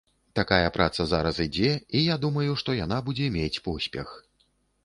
Такая праца зараз ідзе, і я думаю, што яна будзе мець поспех.